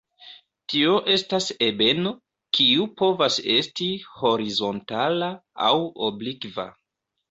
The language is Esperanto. Tio estas ebeno, kiu povas esti horizontala aŭ oblikva.